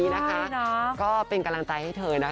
สามารถเป็นเพลงปาร์ตีได้